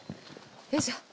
よいしょ。